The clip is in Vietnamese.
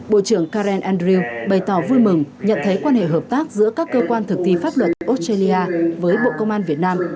bộ trưởng karen andrew bày tỏ vui mừng nhận thấy quan hệ hợp tác giữa các cơ quan thực thi pháp luật australia với bộ công an việt nam